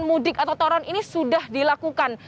mudik atau toron ini sudah dilakukan